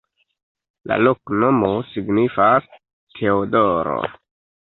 La loknomo signifas: Teodoro.